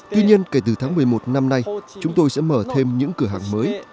tuy nhiên kể từ tháng một mươi một năm nay chúng tôi sẽ mở thêm những cửa hàng mới